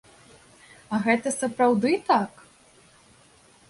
А гэта сапраўды так?